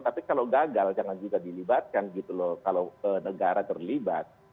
tapi kalau gagal jangan juga dilibatkan gitu loh kalau negara terlibat